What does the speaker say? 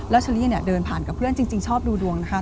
เชอรี่เดินผ่านกับเพื่อนจริงชอบดูดวงนะคะ